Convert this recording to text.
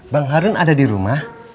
bang harun ada di rumah